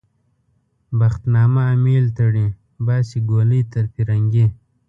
بخت نامه امېل تړي - باسي ګولۍ تر پرنګي